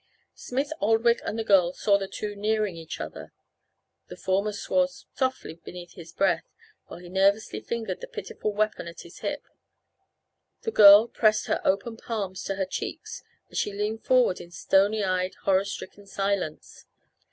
Smith Oldwick and the girl saw the two nearing each other. The former swore softly beneath his breath while he nervously fingered the pitiful weapon at his hip. The girl pressed her open palms to her cheeks as she leaned forward in stony eyed, horror stricken silence.